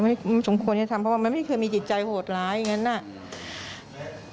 สมควรจะทำเพราะว่ามันไม่เคยมีจิตใจโหดร้ายอย่างนั้นน่ะ